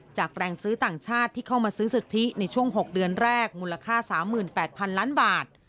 แรงซื้อต่างชาติที่เข้ามาซื้อสุทธิในช่วง๖เดือนแรกมูลค่า๓๘๐๐๐ล้านบาท